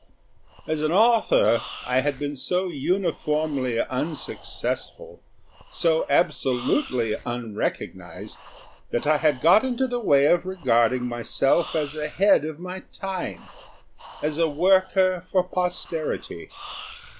As an author, I had been so uniformly unsuccessful, so absolutely unrecognised, that I had got into the way of regarding myself as ahead of my time, as a worker for posterity.